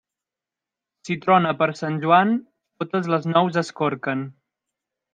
Si trona per Sant Joan, totes les nous es corquen.